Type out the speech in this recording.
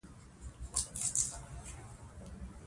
افغانستان د بادام د ترویج لپاره پروګرامونه لري.